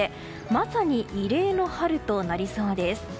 まさに異例の春となりそうです。